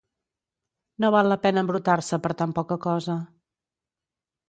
No val la pena embrutar-se per tan poca cosa.